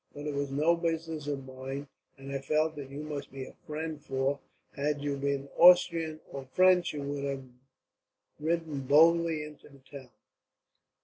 But it was no business of mine; and I felt that you must be a friend for, had you been Austrian or French, you would have ridden boldly into the town."